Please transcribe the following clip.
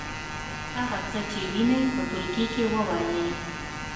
هغه څه چې وینئ په ټولګي کې ووایئ.